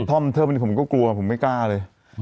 อิทธอมเท่าไหร่ผมก็กลัวผมไม่กล้าเลย